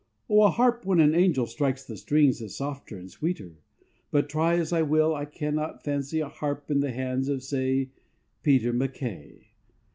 O a harp when an angel strikes the strings Is softer and sweeter, but try As I will, I cannot fancy a harp In the hands of, say, Peter MacKay.